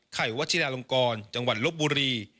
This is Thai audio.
วัชิลาลงกรจังหวัดลบบุรี